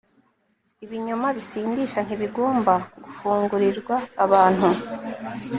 Ibinyobwa Bisindisha Ntibigomba Gufungurirwa Abantu